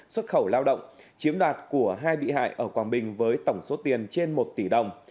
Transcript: xuất khẩu lao động chiếm đoạt của hai bị hại ở quảng bình với tổng số tiền trên một tỷ đồng